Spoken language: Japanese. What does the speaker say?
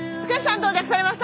到着されました。